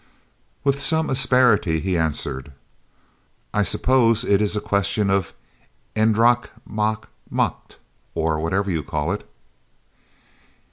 With some asperity he answered: "I suppose it is a question of 'Eendracht maakt Macht,' or whatever you call it."